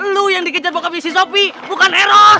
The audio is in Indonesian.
lu yang dikejar bokapnya si sopi bukan eros